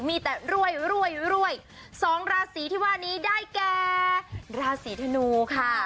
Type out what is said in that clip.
มีแต่รวยรวยสองราศีที่ว่านี้ได้แก่ราศีธนูค่ะ